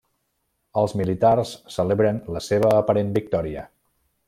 Els militars celebren la seva aparent victòria.